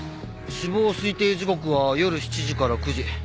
死亡推定時刻は夜７時から９時。